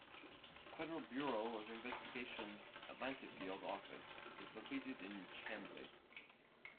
The Federal Bureau of Investigation Atlanta Field Office is located in Chamblee.